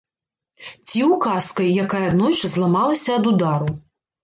Ці ўказкай, якая аднойчы зламалася ад удару.